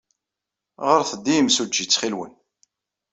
Ɣret-d i yimsujji, ttxil-wen.